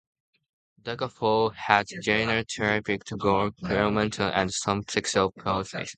"Daggerfall" has genre-typical gore elements and some sexual topics.